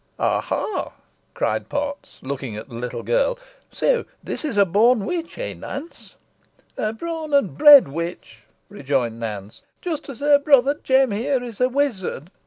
"Aha!" cried Potts, looking at the little girl, "So this is a born witch eh, Nance?" "A born an' bred witch," rejoined Nance; "jist as her brother Jem here is a wizard.